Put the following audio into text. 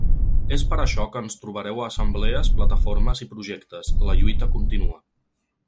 És per això que ens trobareu a assemblees, plataformes i projectes: la lluita continua!